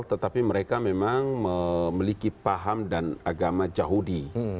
tetapi mereka memang memiliki paham dan agama yahudi